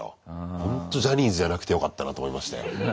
ほんとジャニーズじゃなくてよかったなと思いましたよ。